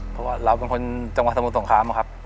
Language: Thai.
เพราะว่าเราเป็นคนจังหวัดสมุทรสงครามครับ